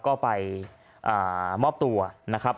ก็ไปมอบตัวนะครับ